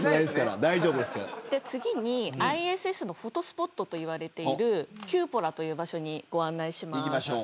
次にＩＳＳのフォトスポットといわれているキューポラという場所にご案内します。